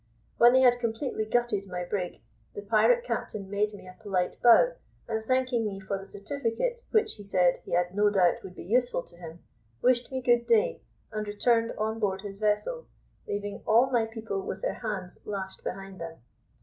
When they had completely gutted my brig, the pirate captain made me a polite bow, and thanking me for the certificate, which, he said, he had no doubt would be useful to him, wished me good day, and returned on board his vessel, leaving all my people with their hands lashed behind them.